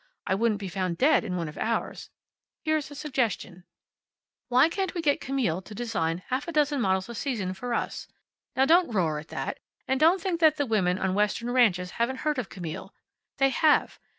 I wouldn't be found dead in one of ours. Here's a suggestion: "Why can't we get Camille to design half a dozen models a season for us? Now don't roar at that. And don't think that the women on western ranches haven't heard of Camille. They have.